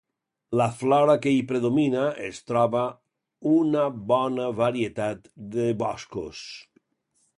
La flora que hi predomina es troba una bona varietat de boscos.